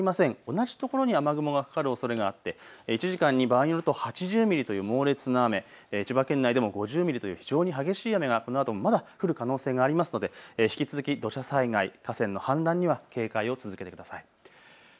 同じところに雨雲がかかるおそれがあって１時間に場合によると８０ミリという猛烈な雨、千葉県内でも５０ミリという非常に激しい雨がこのあとまだ降る可能性がありますので引き続き土砂災害、河川の氾濫には警戒を続けてください。